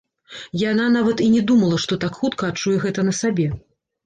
Яна нават і не думала, што так хутка адчуе гэта на сабе.